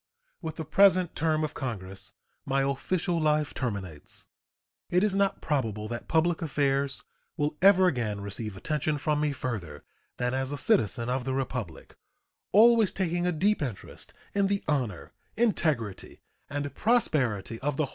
With the present term of Congress my official life terminates. It is not probable that public affairs will ever again receive attention from me further than as a citizen of the Republic, always taking a deep interest in the honor, integrity, and prosperity of the whole land.